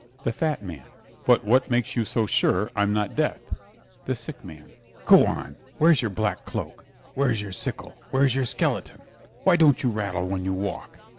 THE FAT MAN But what makes you so sure I'm not Death? THE SICK MAN Go on! Where's your black cloak? Where's your sickle? Where's your skeleton? Why don't you rattle when you walk?